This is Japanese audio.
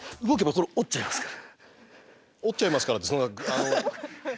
「これ折っちゃいますから」。